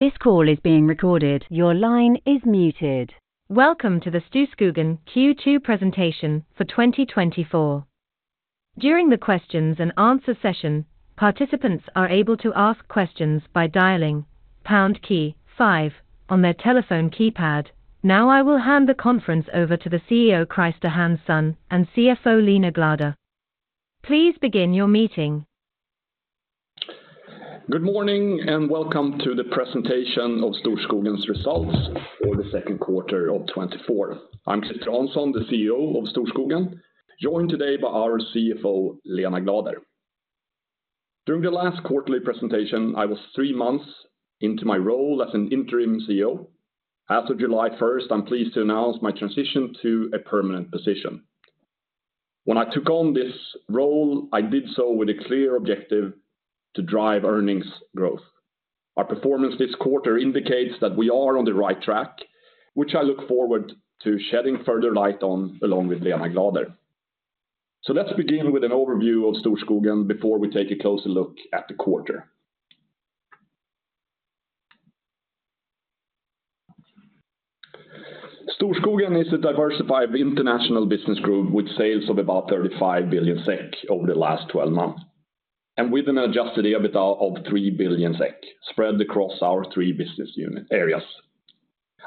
...This call is being recorded. Your line is muted. Welcome to the Storskogen Q2 presentation for 2024. During the questions and answer session, participants are able to ask questions by dialing pound key five on their telephone keypad. Now I will hand the conference over to the CEO, Christer Hansson, and CFO, Lena Glader. Please begin your meeting. Good morning, and welcome to the presentation of Storskogen's results for the second quarter of 2024. I'm Christer Hansson, the CEO of Storskogen, joined today by our CFO, Lena Glader. During the last quarterly presentation, I was three months into my role as an interim CEO. As of July 1st, I'm pleased to announce my transition to a permanent position. When I took on this role, I did so with a clear objective to drive earnings growth. Our performance this quarter indicates that we are on the right track, which I look forward to shedding further light on, along with Lena Glader. Let's begin with an overview of Storskogen before we take a closer look at the quarter. Storskogen is a diversified international business group, with sales of about 35 billion SEK over the last 12 months, and with an adjusted EBITDA of 3 billion SEK, spread across our three business unit areas.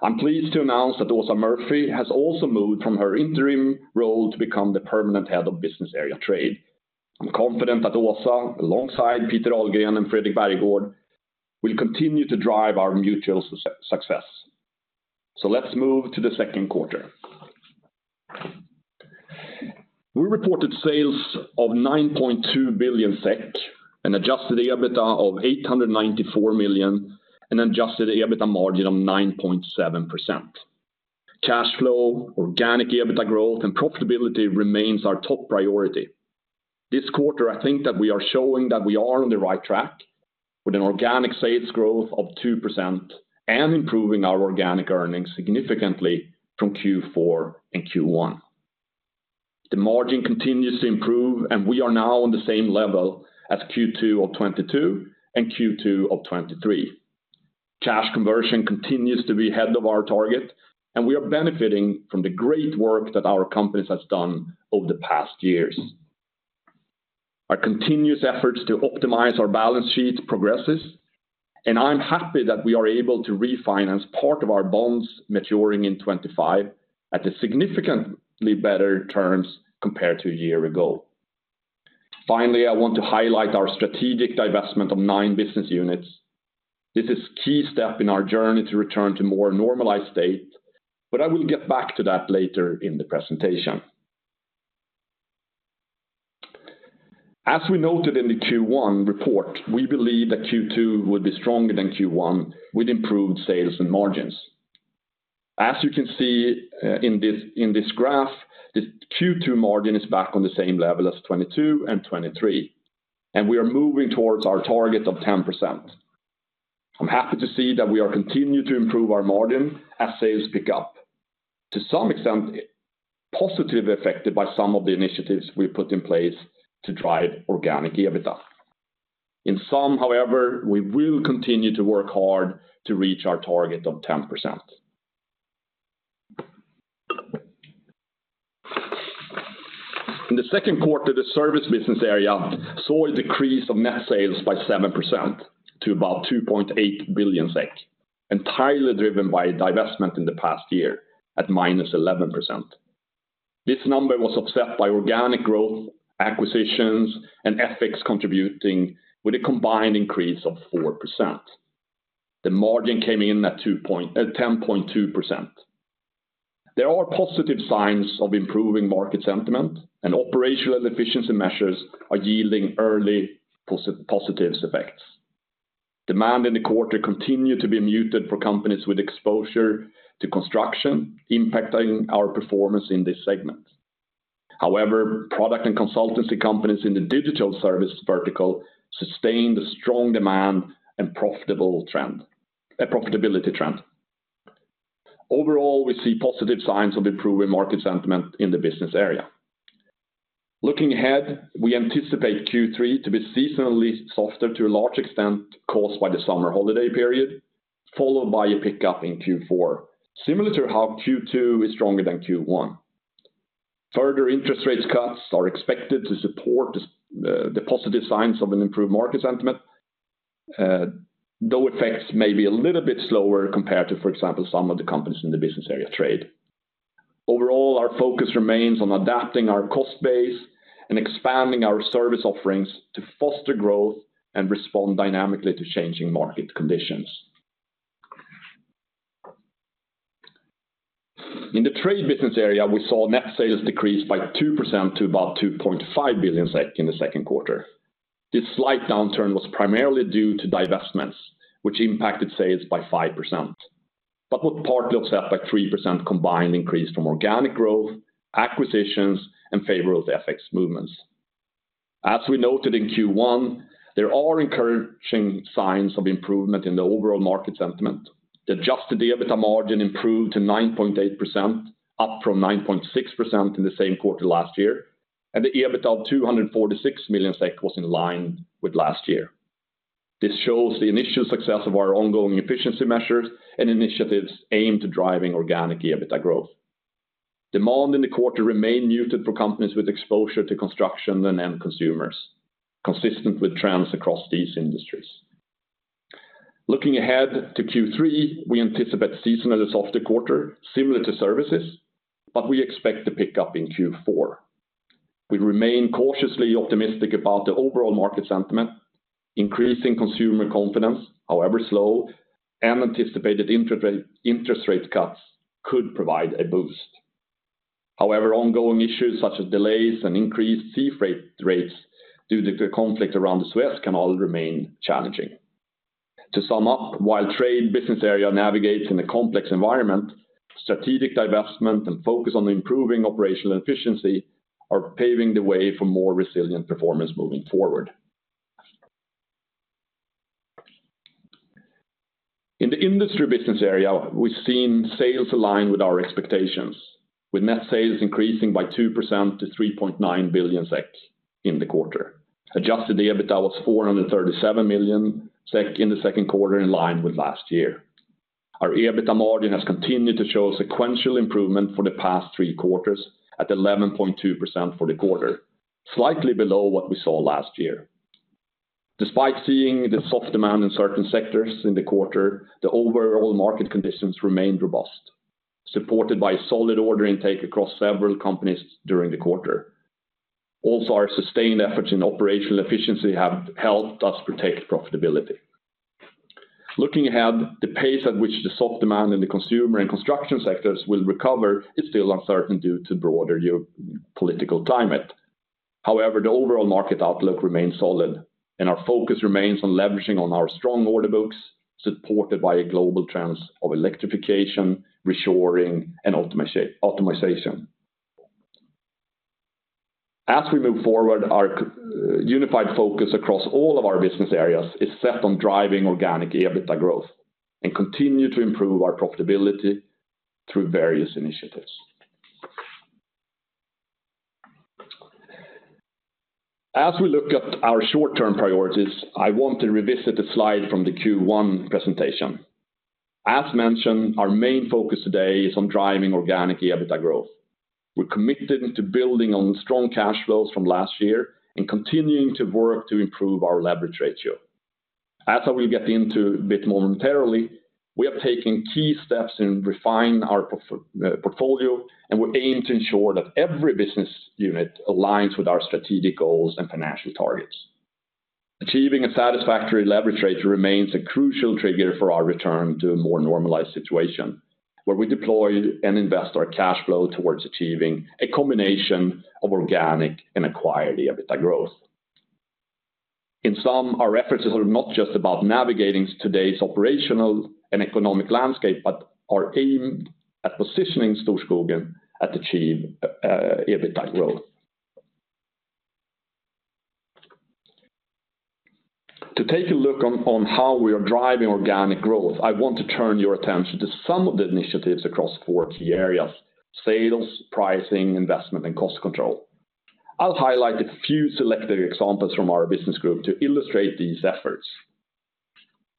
I'm pleased to announce that Åsa Murphy has also moved from her interim role to become the permanent head of Business Area Trade. I'm confident that Åsa, alongside Peter Ahlgren and Fredrik Bergegård, will continue to drive our mutual success. So, let's move to the second quarter. We reported sales of 9.2 billion SEK, an adjusted EBITDA of 894 million, and adjusted EBITDA margin of 9.7%. Cash flow, organic EBITDA growth, and profitability remain our top priority. This quarter, I think that we are showing that we are on the right track, with an organic sales growth of 2% and improving our organic earnings significantly from Q4 and Q1. The margin continues to improve, and we are now on the same level as Q2 of 2022 and Q2 of 2023. Cash conversion continues to be ahead of our target, and we are benefiting from the great work that our company has done over the past years. Our continuous efforts to optimize our balance sheet progresses, and I'm happy that we are able to refinance part of our bonds maturing in 2025 at a significantly better terms compared to a year ago. Finally, I want to highlight our strategic divestment of nine business units. This is a key step in our journey to return to a more normalized state, but I will get back to that later in the presentation. As we noted in the Q1 report, we believe that Q2 would be stronger than Q1, with improved sales and margins. As you can see, in this graph, the Q2 margin is back on the same level as 2022 and 2023, and we are moving towards our target of 10%. I'm happy to see that we are continuing to improve our margin as sales pick up, to some extent, positively affected by some of the initiatives we put in place to drive organic EBITDA. In sum, however, we will continue to work hard to reach our target of 10%. In the second quarter, the Services Business Area saw a decrease of net sales by 7% to about 2.8 billion SEK, entirely driven by divestment in the past year at -11%. This number was offset by organic growth, acquisitions, and exits contributing with a combined increase of 4%. The margin came in at 10.2%. There are positive signs of improving market sentiment, and operational efficiency measures are yielding early positive effects. Demand in the quarter continued to be muted for companies with exposure to construction, impacting our performance in this segment. However, product and consultancy companies in the digital service vertical sustained a strong demand and profitable trend, profitability trend. Overall, we see positive signs of improving market sentiment in the business area. Looking ahead, we anticipate Q3 to be seasonally softer, to a large extent, caused by the summer holiday period, followed by a pickup in Q4, similar to how Q2 is stronger than Q1. Further interest rates cuts are expected to support the positive signs of an improved market sentiment, though effects may be a little bit slower compared to, for example, some of the companies in the Business Area Trade. Overall, our focus remains on adapting our cost base and expanding our service offerings to foster growth and respond dynamically to changing market conditions. In the Trade Business Area, we saw net sales decrease by 2% to about 2.5 billion SEK in the second quarter. This slight downturn was primarily due to divestments, which impacted sales by 5%, but was partly offset by 3% combined increase from organic growth, acquisitions, and favorable FX movements. As we noted in Q1, there are encouraging signs of improvement in the overall market sentiment. The adjusted EBITDA margin improved to 9.8%, up from 9.6% in the same quarter last year, and the EBITDA of 246 million SEK was in line with last year. This shows the initial success of our ongoing efficiency measures and initiatives aimed to driving organic EBITDA growth. Demand in the quarter remained muted for companies with exposure to construction and end consumers, consistent with trends across these industries. Looking ahead to Q3, we anticipate seasonality of the quarter, similar to services, but we expect to pick up in Q4. We remain cautiously optimistic about the overall market sentiment, increasing consumer confidence, however slow, and anticipated interest rate, interest rate cuts could provide a boost. However, ongoing issues such as delays and increased sea freight rates due to the conflict around the Suez Canal remain challenging. To sum up, while Trade Business Area navigates in a complex environment, strategic divestment and focus on improving operational efficiency are paving the way for more resilient performance moving forward. In the Industry Business Area, we've seen sales align with our expectations, with net sales increasing by 2% to 3.9 billion SEK in the quarter. Adjusted EBITDA was 437 million SEK in the second quarter, in line with last year. Our EBITDA margin has continued to show sequential improvement for the past three quarters at 11.2% for the quarter, slightly below what we saw last year. Despite seeing the soft demand in certain sectors in the quarter, the overall market conditions remained robust, supported by solid order intake across several companies during the quarter. Also, our sustained efforts in operational efficiency have helped us protect profitability. Looking ahead, the pace at which the soft demand in the consumer and construction sectors will recover is still uncertain due to broader political climate. However, the overall market outlook remains solid, and our focus remains on leveraging on our strong order books, supported by a global trends of electrification, reshoring, and optimization. As we move forward, our unified focus across all of our business areas is set on driving organic EBITDA growth and continue to improve our profitability through various initiatives. As we look at our short-term priorities, I want to revisit the slide from the Q1 presentation. As mentioned, our main focus today is on driving organic EBITDA growth. We're committed to building on strong cash flows from last year and continuing to work to improve our leverage ratio. As I will get into a bit momentarily, we are taking key steps to refine our portfolio, and we aim to ensure that every business unit aligns with our strategic goals and financial targets. Achieving a satisfactory leverage ratio remains a crucial trigger for our return to a more normalized situation, where we deploy and invest our cash flow towards achieving a combination of organic and acquired EBITDA growth. In sum, our references are not just about navigating today's operational and economic landscape but are aimed at positioning Storskogen to achieve EBITDA growth. To take a look on how we are driving organic growth, I want to turn your attention to some of the initiatives across four key areas: sales, pricing, investment, and cost control. I'll highlight a few selected examples from our business group to illustrate these efforts.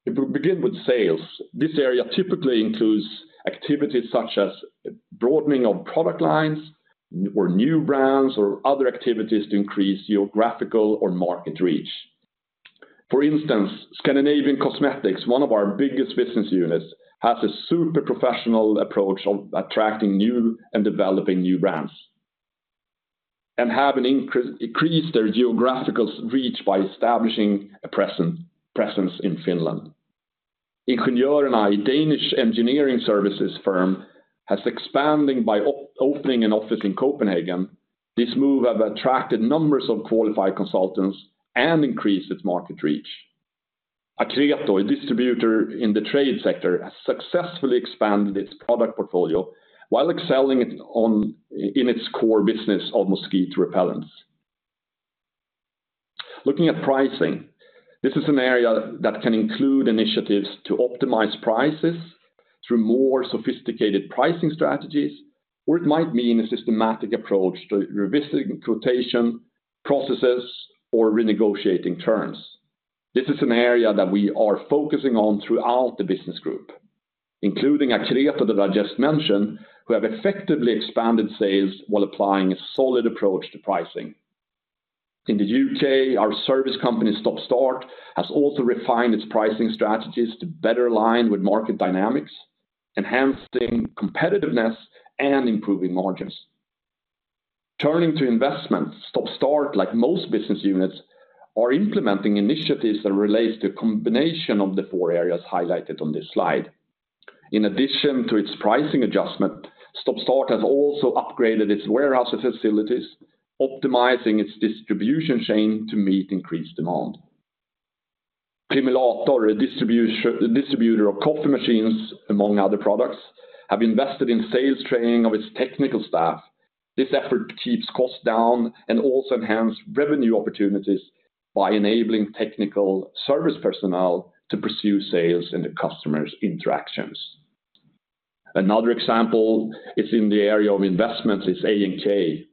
If we begin with sales, this area typically includes activities such as broadening of product lines or new brands, or other activities to increase geographical or market reach. For instance, Scandinavian Cosmetics, one of our biggest business units, has a super professional approach of attracting new and developing new brands, and have increased their geographical reach by establishing a presence in Finland. Ingeniør'ne, a Danish engineering services firm, has expanded by opening an office in Copenhagen. This move has attracted a number of qualified consultants and increased its market reach. Acreto, a distributor in the trade sector, has successfully expanded its product portfolio while excelling in its core business of mosquito repellents. Looking at pricing, this is an area that can include initiatives to optimize prices through more sophisticated pricing strategies, or it might mean a systematic approach to revisiting quotation processes, or renegotiating terms. This is an area that we are focusing on throughout the business group, including Acreto, that I just mentioned, who have effectively expanded sales while applying a solid approach to pricing. In the U.K., our service company, Stop Start, has also refined its pricing strategies to better align with market dynamics, enhancing competitiveness and improving margins. Turning to investments, Stop Start, like most business units, are implementing initiatives that relates to a combination of the four areas highlighted on this slide. In addition to its pricing adjustment, Stop Start has also upgraded its warehouse facilities, optimizing its distribution chain to meet increased demand. Primulator, a distributor of coffee machines, among other products, have invested in sales training of its technical staff. This effort keeps costs down and also enhance revenue opportunities by enabling technical service personnel to pursue sales in the customer's interactions. Another example in the area of investments is A&K,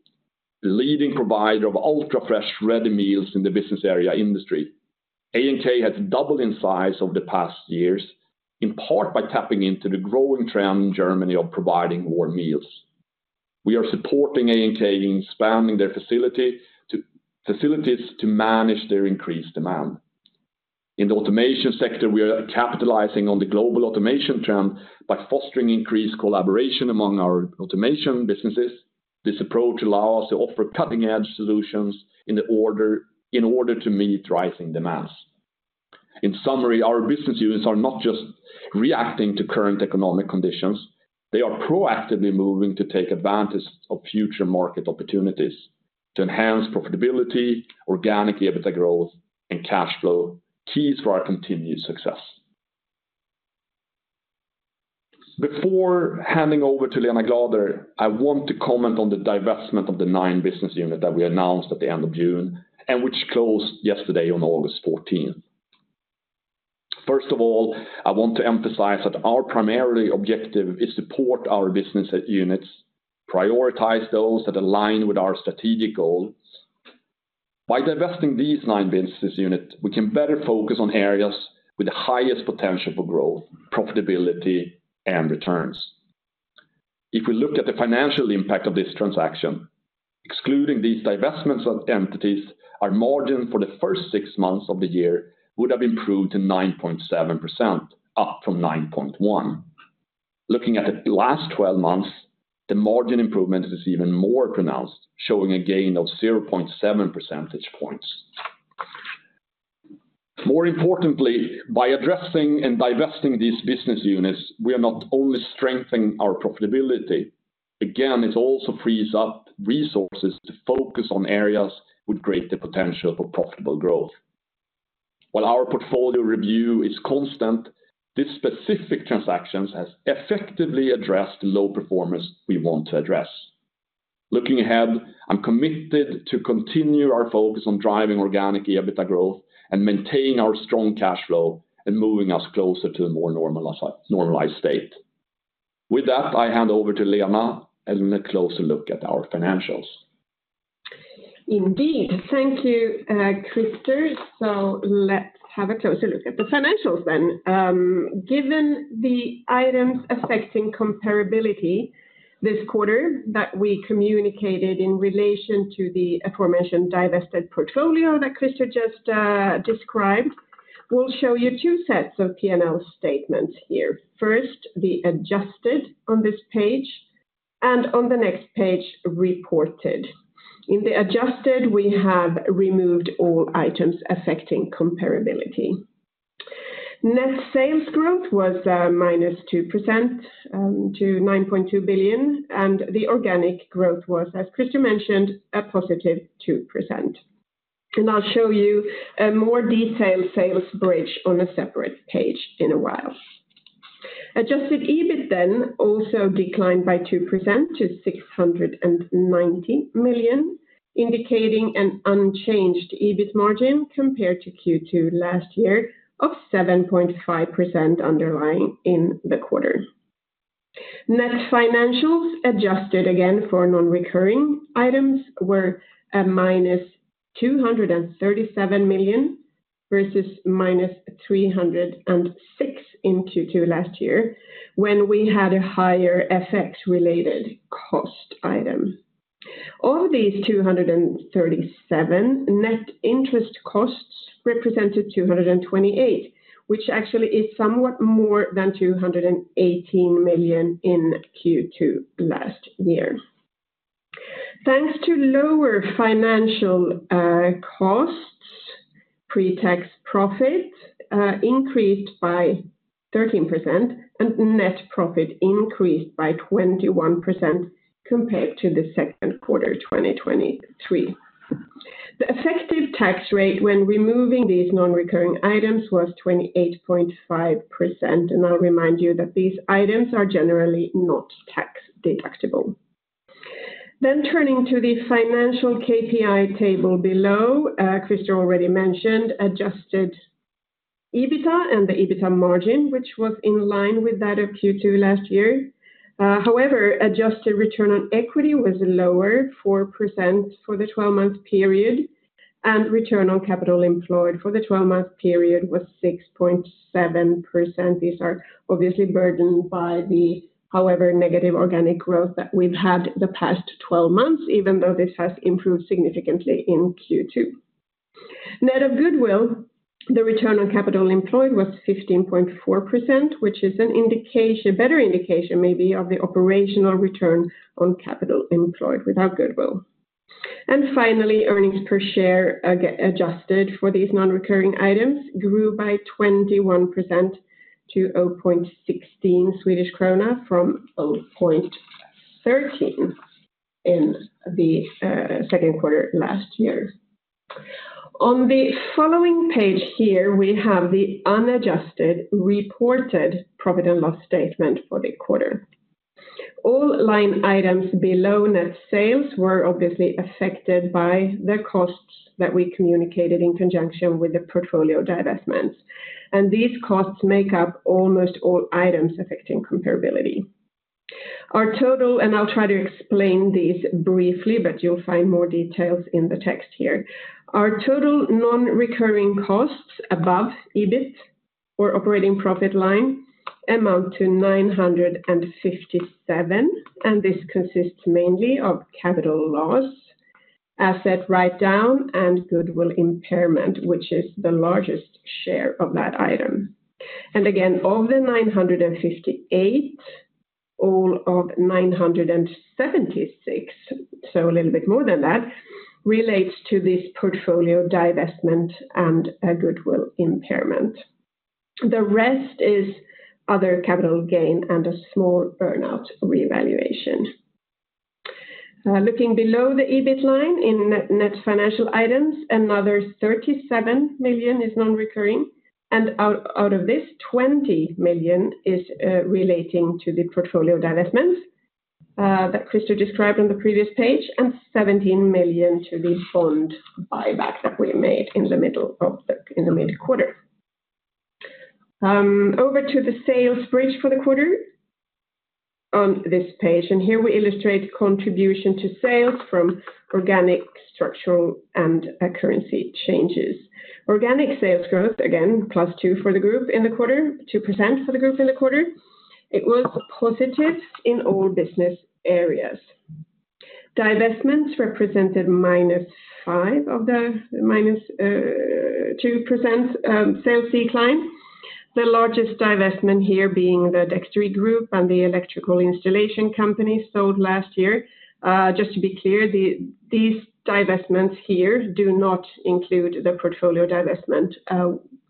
the leading provider of ultra-fresh ready meals in the business area industry. A&K has doubled in size over the past years, in part by tapping into the growing trend in Germany of providing more meals. We are supporting A&K in expanding their facilities to manage their increased demand. In the automation sector, we are capitalizing on the global automation trend by fostering increased collaboration among our automation businesses. This approach allows to offer cutting-edge solutions in the order, in order to meet rising demands. In summary, our business units are not just reacting to current economic conditions. They are proactively moving to take advantage of future market opportunities, to enhance profitability, organic EBITDA growth, and cash flow, keys for our continued success. Before handing over to Lena Glader, I want to comment on the divestment of the nine business unit that we announced at the end of June, and which closed yesterday on August fourteenth. First of all, I want to emphasize that our primary objective is support our business units, prioritize those that align with our strategic goals. By divesting these nine business units, we can better focus on areas with the highest potential for growth, profitability, and returns. If we look at the financial impact of this transaction, excluding these divestments of entities, our margin for the first six months of the year would have improved to 9.7%, up from 9.1%. Looking at the last 12 months, the margin improvement is even more pronounced, showing a gain of 0.7 percentage points. More importantly, by addressing and divesting these business units, we are not only strengthening our profitability. Again, it also frees up resources to focus on areas with greater potential for profitable growth. While our portfolio review is constant, this specific transaction has effectively addressed the low performance we want to address. Looking ahead, I'm committed to continue our focus on driving organic EBITDA growth and maintaining our strong cash flow and moving us closer to a more normalized state. With that, I hand over to Lena for a closer look at our financials. Indeed. Thank you, Christer. Let's have a closer look at the financials then. Given the items affecting comparability this quarter that we communicated in relation to the aforementioned divested portfolio that Christer just described, we'll show you two sets of P&L statements here. First, the adjusted on this page, and on the next page, reported. In the adjusted, we have removed all items affecting comparability. Net sales growth was minus 2% to 9.2 billion, and the organic growth was, as Christer mentioned, a positive 2%. I'll show you a more detailed sales bridge on a separate page in a while. Adjusted EBIT then also declined by 2% to 690 million, indicating an unchanged EBIT margin compared to Q2 last year of 7.5% underlying in the quarter. Net financials, adjusted again for non-recurring items, were -237 million, versus -306 million in Q2 last year, when we had a higher FX-related cost item. Of these 237, net interest costs represented 228 million, which actually is somewhat more than 218 million in Q2 last year. Thanks to lower financial costs, pre-tax profit increased by 13%, and net profit increased by 21% compared to the second quarter, 2023. The effective tax rate when removing these non-recurring items was 28.5%, and I'll remind you that these items are generally not tax deductible. Turning to the financial KPI table below, Christer already mentioned adjusted EBITDA and the EBITDA margin, which was in line with that of Q2 last year. However, adjusted return on equity was lower, 4% for the 12-month period, and return on capital employed for the 12-month period was 6.7%. These are obviously burdened by the, however, negative organic growth that we've had the past 12 months, even though this has improved significantly in Q2. Net of goodwill, the return on capital employed was 15.4%, which is an indication, better indication maybe, of the operational return on capital employed without goodwill. Finally, earnings per share, adjusted for these non-recurring items, grew by 21% to 0.16 Swedish krona from 0.13 SEK in the second quarter last year. On the following page here, we have the unadjusted reported profit and loss statement for the quarter. All line items below net sales were obviously affected by the costs that we communicated in conjunction with the portfolio divestments, and these costs make up almost all items affecting comparability. Our total, and I'll try to explain these briefly, but you'll find more details in the text here. Our total non-recurring costs above EBIT or operating profit line amount to 957, and this consists mainly of capital loss, asset write-down, and goodwill impairment, which is the largest share of that item. And again, of the 958, all of 976, so a little bit more than that, relates to this portfolio divestment and a goodwill impairment. The rest is other capital gain and a small earn-out revaluation. Looking below the EBIT line in net financial items, another 37 million is non-recurring, and out of this, 20 million is relating to the portfolio divestments that Christer described on the previous page, and 17 million to the bond buyback that we made in the mid-quarter. Over to the sales bridge for the quarter on this page, and here we illustrate contribution to sales from organic, structural, and currency changes. Organic sales growth, again, +2% for the group in the quarter, 2% for the group in the quarter. It was positive in all business areas. Divestments represented -5% of the -2% sales decline. The largest divestment here being the Dextry Group and the electrical installation company sold last year. Just to be clear, these divestments here do not include the portfolio divestment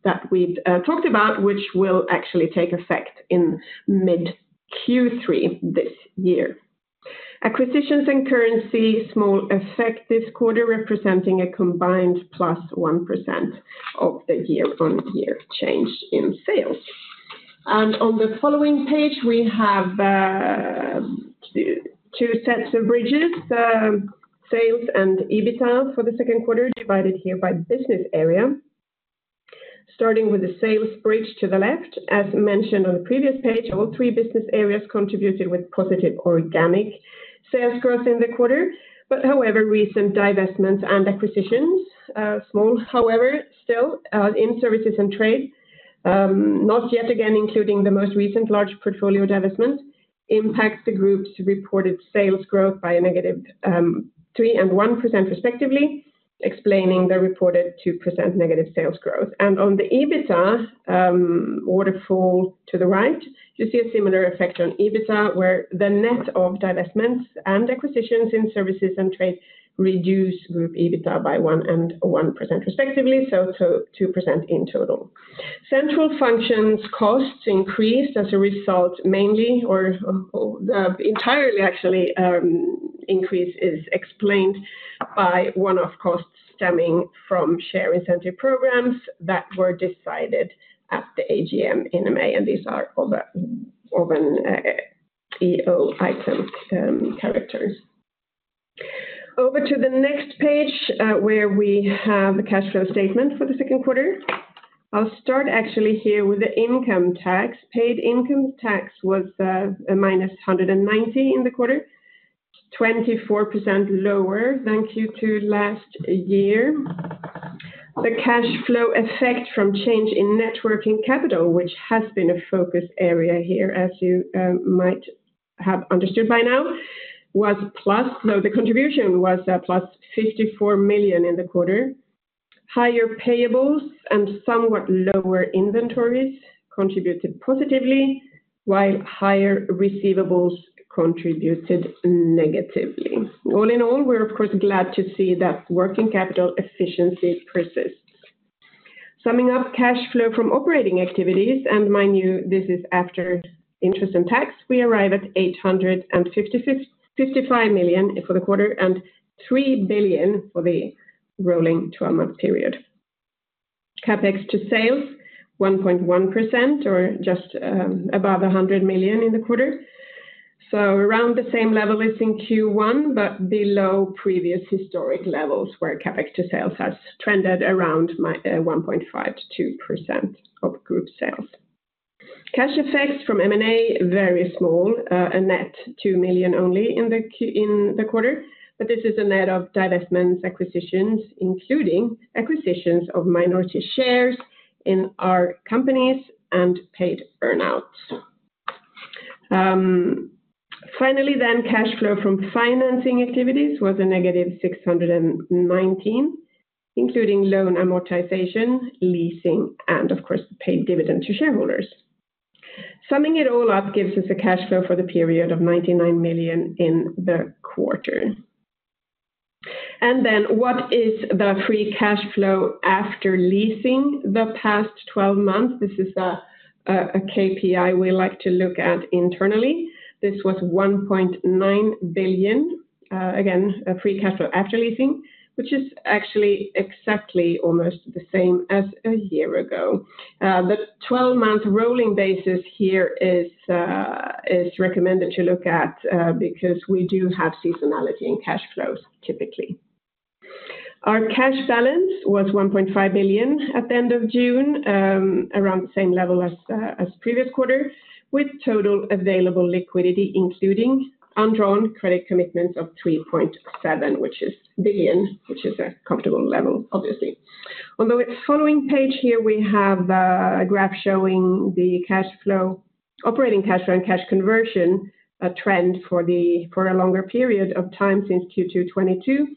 that we've talked about, which will actually take effect in mid Q3 this year. Acquisitions and currency, small effect this quarter, representing a combined plus 1% of the year-on-year change in sales. On the following page, we have two sets of bridges, sales and EBITDA for the second quarter, divided here by business area. Starting with the sales bridge to the left, as mentioned on the previous page, all three business areas contributed with positive organic sales growth in the quarter. But however, recent divestments and acquisitions, small, however, still, in services and trade, not yet again including the most recent large portfolio divestment, impacts the group's reported sales growth by a negative 3% and 1% respectively, explaining the reported 2% negative sales growth. And on the EBITDA waterfall to the right, you see a similar effect on EBITDA, where the net of divestments and acquisitions in services and trade reduce group EBITDA by 1% and 1% respectively, so 2% in total. Central functions costs increased as a result, mainly, or, entirely actually, increase is explained by one-off costs stemming from share incentive programs that were decided at the AGM in May, and these are all the organic EO item characteristics. Over to the next page, where we have the cash flow statement for the second quarter. I'll start actually here with the income tax. Paid income tax was a minus 190 in the quarter, 24% lower than Q2 last year. The cash flow effect from change in net working capital, which has been a focus area here, as you might have understood by now, was plus. So the contribution was +54 million in the quarter. Higher payables and somewhat lower inventories contributed positively, while higher receivables contributed negatively. All in all, we're of course glad to see that working capital efficiency persists. Summing up cash flow from operating activities, and mind you, this is after interest and tax, we arrive at 855 million for the quarter, and 3 billion for the rolling twelve-month period. CapEx to sales, 1.1% or just above 100 million in the quarter. So around the same level as in Q1, but below previous historic levels, where CapEx to sales has trended around 1.5%-2% of group sales. Cash effects from M&A, very small, a net 2 million only in the quarter, but this is a net of divestments, acquisitions, including acquisitions of minority shares in our companies and paid earnouts. Finally, cash flow from financing activities was a negative 619 million, including loan amortization, leasing, and of course, paid dividend to shareholders. Summing it all up gives us a cash flow for the period of 99 million in the quarter. And then what is the free cash flow after leasing the past twelve months? This is a KPI we like to look at internally. This was 1.9 billion, again, a free cash flow after leasing, which is actually exactly almost the same as a year ago. The 12-month rolling basis here is recommended to look at, because we do have seasonality in cash flows, typically. Our cash balance was 1.5 billion at the end of June, around the same level as previous quarter, with total available liquidity, including undrawn credit commitments of 3.7 billion, which is a comfortable level, obviously. On the following page here, we have a graph showing the cash flow-operating cash flow and cash conversion, a trend for a longer period of time since Q2 2022. Now,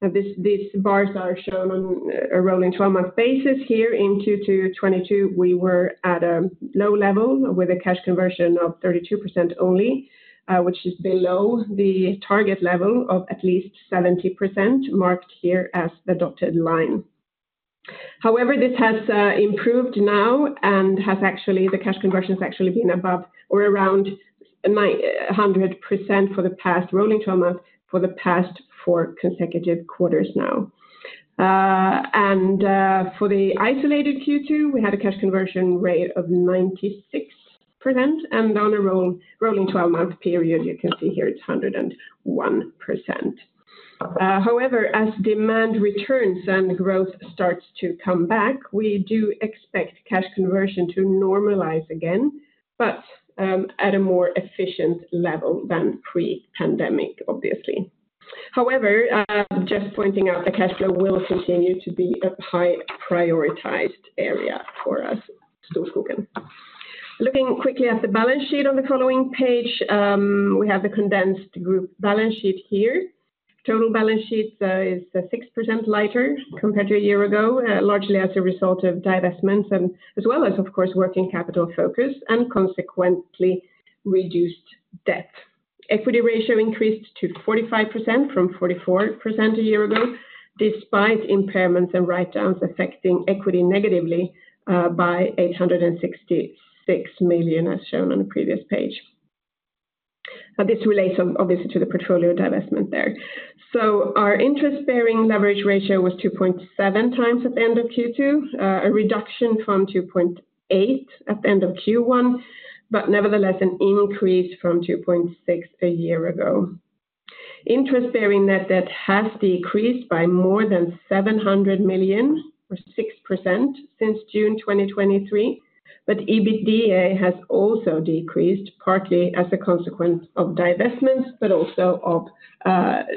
these bars are shown on a 12-month rolling basis here. In Q2 2022, we were at a low level with a cash conversion of 32% only, which is below the target level of at least 70%, marked here as the dotted line. However, this has improved now and has actually, the cash conversion has actually been above or around 90%-100% for the past rolling twelve months for the past four consecutive quarters now. And, for the isolated Q2, we had a cash conversion rate of 96%, and on a rolling twelve-month period, you can see here it's 101%. However, as demand returns and growth starts to come back, we do expect cash conversion to normalize again, but at a more efficient level than pre-pandemic, obviously. However, just pointing out, the cash flow will continue to be a high prioritized area for us, Storskogen. Looking quickly at the balance sheet on the following page, we have the condensed group balance sheet here. Total balance sheet is 6% lighter compared to a year ago, largely as a result of divestments, and as well as, of course, working capital focus and consequently, reduced debt. Equity ratio increased to 45% from 44% a year ago, despite impairments and write-downs affecting equity negatively, by 866 million, as shown on the previous page. Now, this relates obviously to the portfolio divestment there. So our interest-bearing leverage ratio was 2.7 times at the end of Q2, a reduction from 2.8 at the end of Q1, but nevertheless, an increase from 2.6 a year ago. Interest bearing net debt has decreased by more than 700 million, or 6% since June 2023, but EBITDA has also decreased, partly as a consequence of divestments, but also of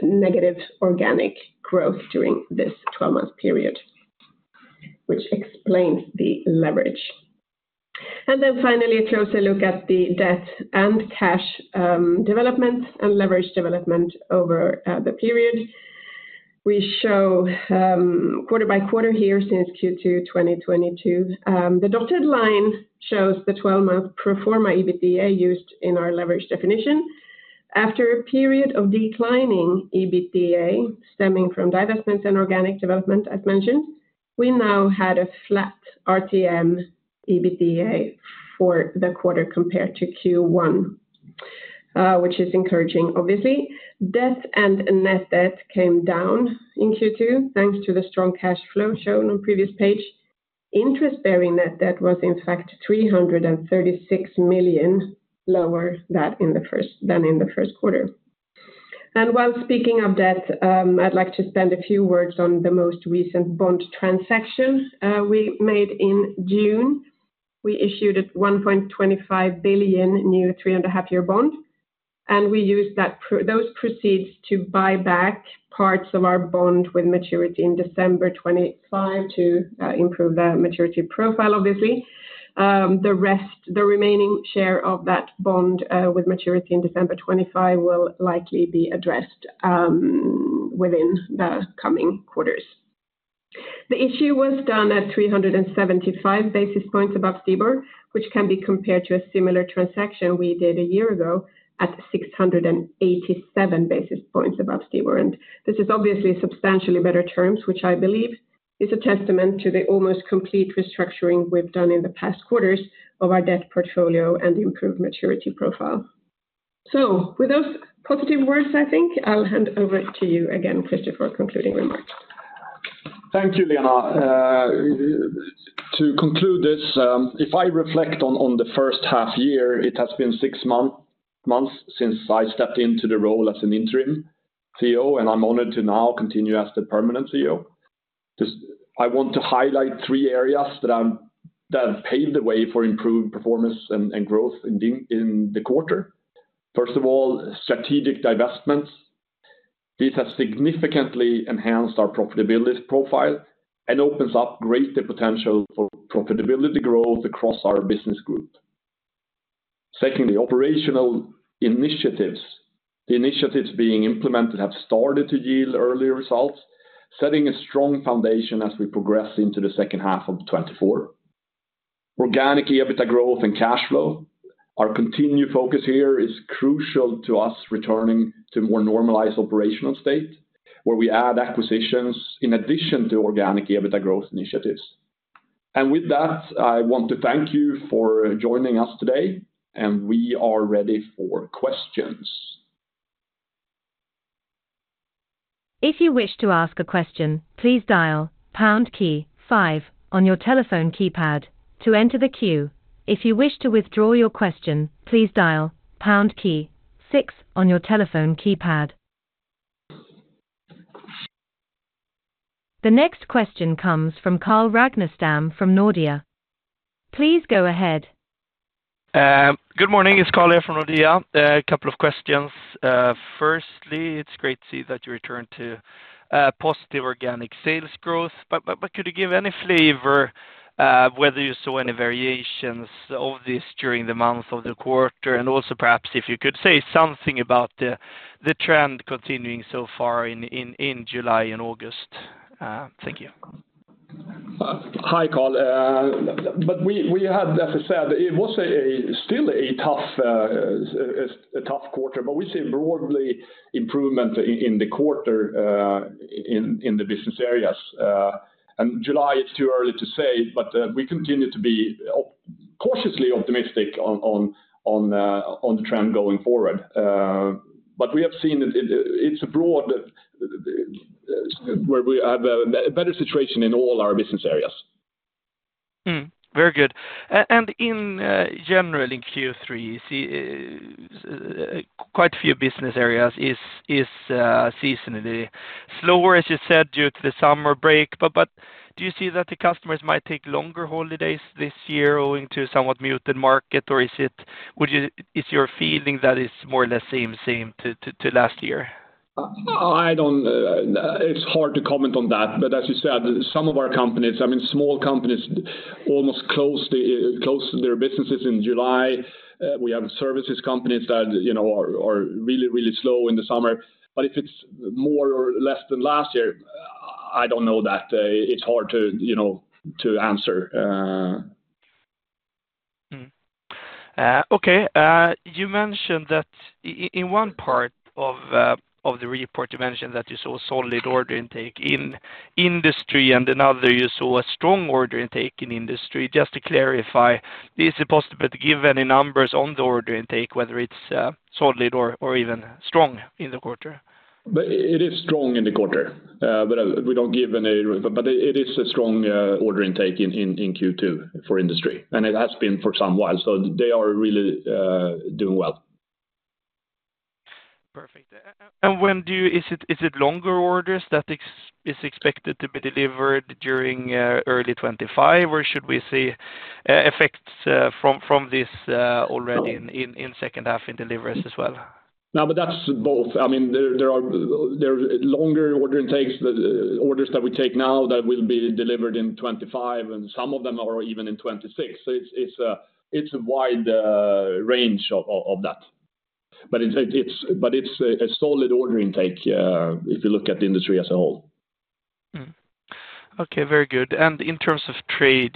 negative organic growth during this 12-month period, which explains the leverage. Then finally, a closer look at the debt and cash development and leverage development over the period. We show quarter by quarter here since Q2 2022. The dotted line shows the 12-month pro forma EBITDA used in our leverage definition. After a period of declining EBITDA, stemming from divestments and organic development, as mentioned, we now had a flat RTM EBITDA for the quarter compared to Q1, which is encouraging, obviously. Debt and net debt came down in Q2, thanks to the strong cash flow shown on previous page. Interest bearing net debt was, in fact, 336 million lower than in the first quarter. While speaking of debt, I'd like to spend a few words on the most recent bond transaction we made in June. We issued a 1.25 billion new 3.5-year bond, and we used those proceeds to buy back parts of our bond with maturity in December 2025 to improve the maturity profile, obviously. The rest, the remaining share of that bond with maturity in December 2025, will likely be addressed within the coming quarters. The issue was done at 375 basis points above STIBOR, which can be compared to a similar transaction we did a year ago at 687 basis points above STIBOR. This is obviously substantially better terms, which I believe is a testament to the almost complete restructuring we've done in the past quarters of our debt portfolio and the improved maturity profile. With those positive words, I think I'll hand over to you again, Christer, for concluding remarks. Thank you, Lena. To conclude this, if I reflect on the first half year, it has been six months since I stepped into the role as an interim CEO, and I'm honored to now continue as the permanent CEO. Just I want to highlight three areas that have paved the way for improved performance and growth in the quarter. First of all, strategic divestments. These have significantly enhanced our profitability profile and opens up greater potential for profitability growth across our business group. Secondly, operational initiatives. The initiatives being implemented have started to yield earlier results, setting a strong foundation as we progress into the second half of 2024. Organic EBITDA growth and cash flow. Our continued focus here is crucial to us returning to more normalized operational state, where we add acquisitions in addition to organic EBITDA growth initiatives. With that, I want to thank you for joining us today, and we are ready for questions. If you wish to ask a question, please dial pound key five on your telephone keypad to enter the queue. If you wish to withdraw your question, please dial pound key six on your telephone keypad. The next question comes from Carl Ragnerstam from Nordea. Please go ahead. Good morning. It's Carl here from Nordea. A couple of questions. Firstly, it's great to see that you returned to positive organic sales growth, but could you give any flavor whether you saw any variations of this during the months of the quarter? And also, perhaps, if you could say something about the trend continuing so far in July and August. Thank you. Hi, Carl. But we had, as I said, it was still a tough quarter, but we see broadly improvement in the quarter, in the business areas. And July, it's too early to say, but we continue to be cautiously optimistic on the trend going forward. But we have seen it, it's broad, where we have a better situation in all our business areas. And in general, in Q3, you see, quite a few business areas is seasonally slower, as you said, due to the summer break. But do you see that the customers might take longer holidays this year owing to somewhat muted market? Or is it? Is your feeling that it's more or less same to last year? I don't... It's hard to comment on that. But as you said, some of our companies, I mean, small companies, almost close their businesses in July. We have services companies that, you know, are really, really slow in the summer. But if it's more or less than last year, I don't know that. It's hard to, you know, to answer. Okay, you mentioned that in one part of the report, you mentioned that you saw solid order intake in industry, and another, you saw a strong order intake in industry. Just to clarify, is it possible to give any numbers on the order intake, whether it's solid or even strong in the quarter? But it is strong in the quarter, but we don't give any... But it is a strong order intake in Q2 for industry, and it has been for some while. So they are really doing well. Perfect. And when do you—is it longer orders that is expected to be delivered during early 2025, or should we see effects from this already in second half in deliveries as well? No, but that's both. I mean, there are longer order intakes, but orders that we take now that will be delivered in 2025, and some of them are even in 2026. So it's a wide range of that. But it's a solid order intake, if you look at the industry as a whole. Okay, very good. And in terms of trade,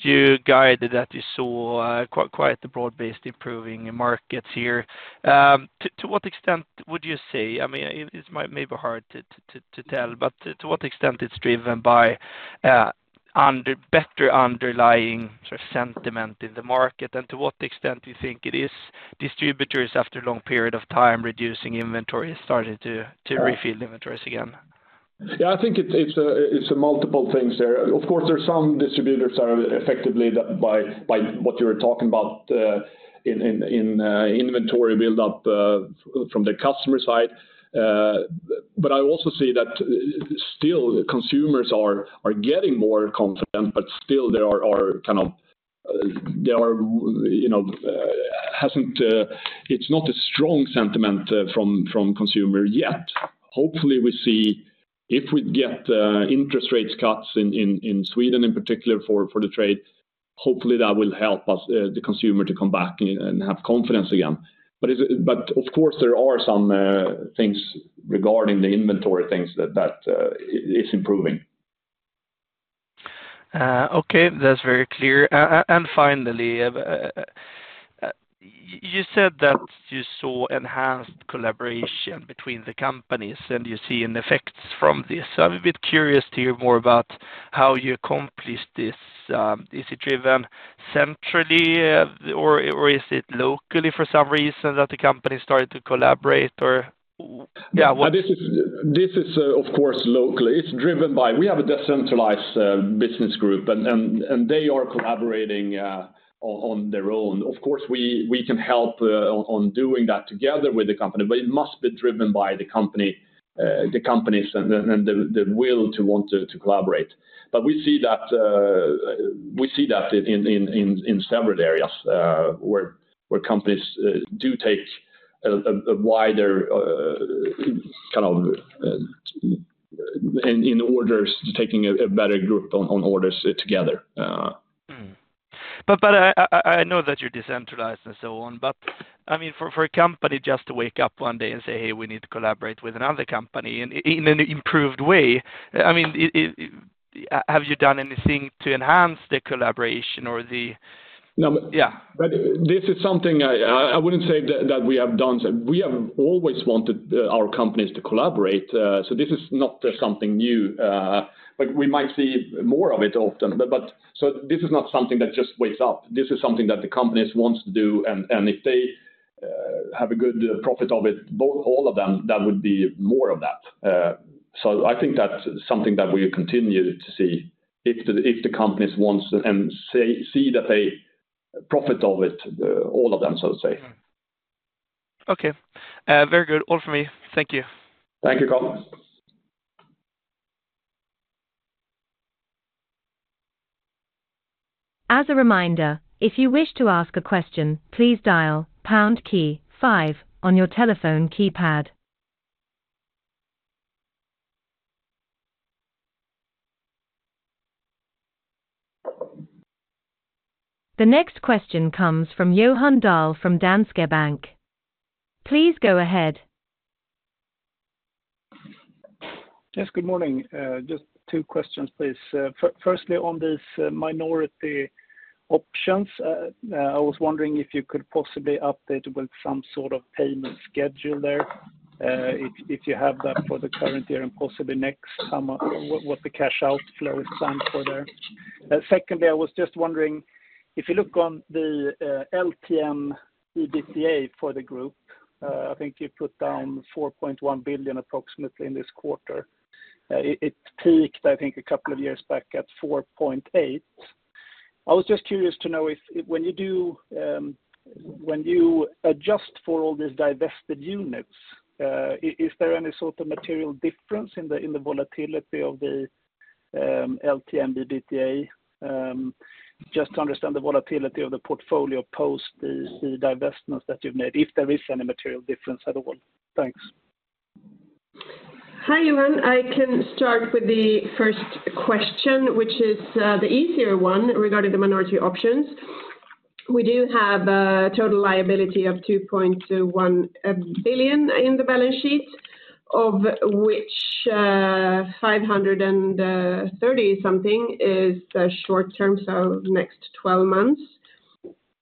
you guided that you saw quite a broad-based improving markets here. To what extent would you say, I mean, it might be hard to tell, but to what extent it's driven by better underlying sort of sentiment in the market, and to what extent do you think it is distributors, after a long period of time, reducing inventory, starting to refill inventories again? Yeah, I think it's multiple things there. Of course, there's some distributors are effectively driven by what you're talking about in inventory build up from the customer side. But I also see that still, consumers are getting more confident, but still there are kind of, you know, it's not a strong sentiment from consumer yet. Hopefully, we see if we get interest rates cuts in Sweden, in particular, for the trade, hopefully, that will help us the consumer to come back and have confidence again. But of course, there are some things regarding the inventory things that is improving. Okay, that's very clear. And finally, you said that you saw enhanced collaboration between the companies, and you're seeing effects from this. I'm a bit curious to hear more about how you accomplished this. Is it driven centrally, or is it locally for some reason that the company started to collaborate, or yeah, what- This is, of course, locally. It's driven by... We have a decentralized business group, and they are collaborating on their own. Of course, we can help on doing that together with the company, but it must be driven by the company, the companies and the will to want to collaborate. But we see that in separate areas, where companies do take a wider kind of in orders, taking a better grip on orders together. But I know that you're decentralized and so on, but I mean, for a company just to wake up one day and say, "Hey, we need to collaborate with another company in an improved way," I mean, have you done anything to enhance the collaboration or the-... No, but- Yeah. But this is something I wouldn't say that we have done. So we have always wanted our companies to collaborate, so this is not something new, but we might see more of it often. But so this is not something that just wakes up. This is something that the companies wants to do, and if they have a good profit of it, both all of them, that would be more of that. So I think that's something that we continue to see if the companies wants and see that they profit of it, all of them, so to say. Okay. Very good. All from me. Thank you. Thank you, Carl. As a reminder, if you wish to ask a question, please dial pound key five on your telephone keypad. The next question comes from Johan Dahl from Danske Bank. Please go ahead. Yes, good morning. Just two questions, please. Firstly, on this minority options, I was wondering if you could possibly update with some sort of payment schedule there, if you have that for the current year and possibly next, some of what the cash outflow is planned for there. Secondly, I was just wondering, if you look on the LTM EBITDA for the group, I think you put down 4.1 billion approximately in this quarter. It peaked, I think, a couple of years back at 4.8 billion. I was just curious to know if, when you adjust for all these divested units, is there any sort of material difference in the volatility of the LTM EBITDA? Just to understand the volatility of the portfolio post the divestments that you've made, if there is any material difference at all? Thanks. Hi, Johan. I can start with the first question, which is the easier one regarding the minority options. We do have a total liability of 2.1 billion in the balance sheet, of which 530 million is the short term, so next twelve months.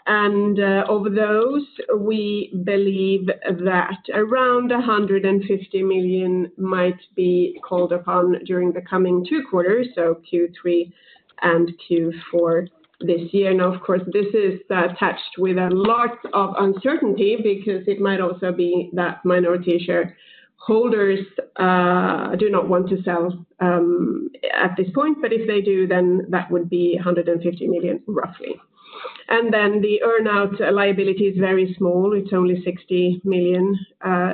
And of those, we believe that around 150 million might be called upon during the coming two quarters, so Q3 and Q4 this year. Now, of course, this is attached with a lot of uncertainty because it might also be that minority shareholders do not want to sell at this point. But if they do, then that would be 150 million, roughly. And then the earn-out liability is very small. It's only 60 million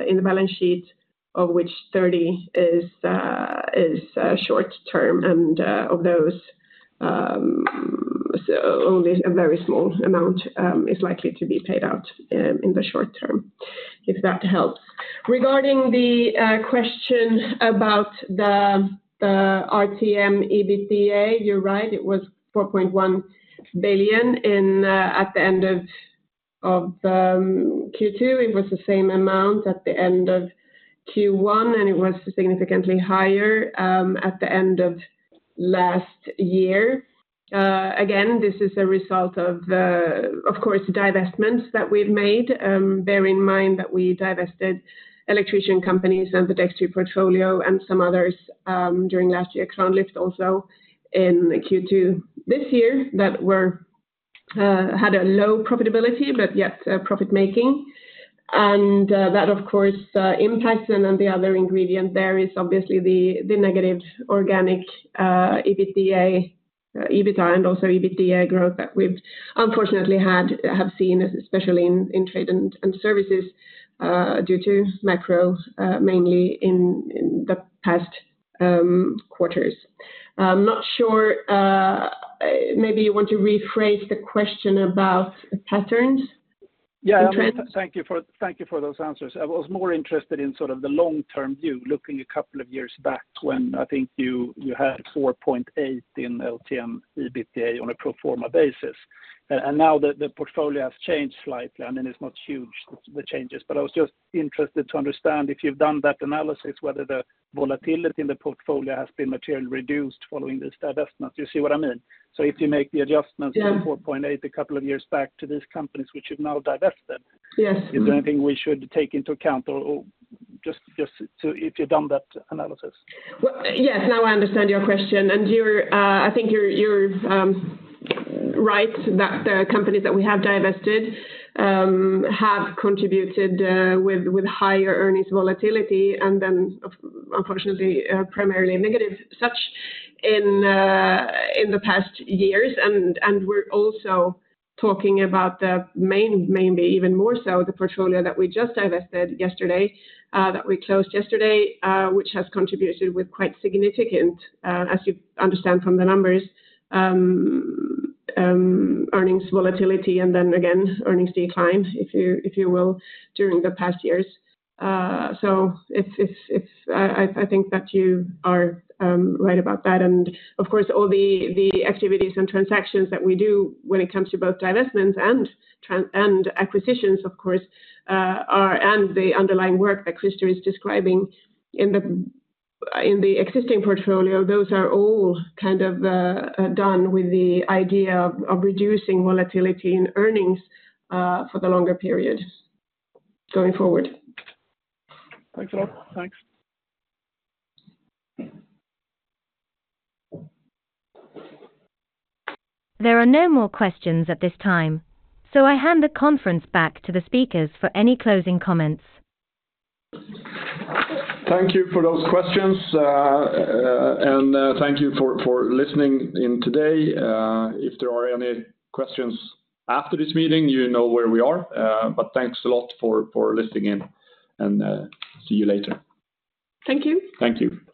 in the balance sheet, of which 30 million is short term, and of those, so only a very small amount is likely to be paid out in the short term, if that helps. Regarding the question about the RTM EBITDA, you're right, it was 4.1 billion at the end of Q2. It was the same amount at the end of Q1, and it was significantly higher at the end of last year. Again, this is a result of the, of course, divestments that we've made. Bear in mind that we divested electrician companies and the Dextry portfolio and some others during last year. Kranlyft also in Q2 this year, that were had a low profitability, but yet profit making. That, of course, impacts. And then the other ingredient there is obviously the negative organic EBITDA and also EBITDA growth that we've unfortunately had, have seen, especially in trade and services, due to macro, mainly in the past quarters. I'm not sure, maybe you want to rephrase the question about patterns? Yeah. In trade. Thank you for those answers. I was more interested in sort of the long-term view, looking a couple of years back when I think you had 4.8 in LTM EBITDA on a pro forma basis. And now the portfolio has changed slightly. I mean, it's not huge, the changes, but I was just interested to understand if you've done that analysis, whether the volatility in the portfolio has been materially reduced following this divestment. You see what I mean? So, if you make the adjustments- Yeah... to 4.8 a couple of years back to these companies, which you've now divested- Yes. Is there anything we should take into account or, if you've done that analysis? Well, yes, now I understand your question. And you're, I think you're right, that the companies that we have divested have contributed with higher earnings volatility, and then unfortunately primarily negative such in the past years. And we're also talking about maybe even more so, the portfolio that we just divested yesterday, that we closed yesterday, which has contributed with quite significant, as you understand from the numbers, earnings volatility, and then again, earnings decline, if you will, during the past years. So, it's... I think that you are right about that. Of course, all the activities and transactions that we do when it comes to both divestments and transactions and acquisitions, of course, are, and the underlying work that Christer is describing in the existing portfolio, those are all kind of done with the idea of reducing volatility in earnings for the longer period going forward. Thanks a lot. Thanks. There are no more questions at this time, so I hand the conference back to the speakers for any closing comments. Thank you for those questions and thank you for listening in today. If there are any questions after this meeting, you know where we are, but thanks a lot for listening in, and see you later. Thank you. Thank you.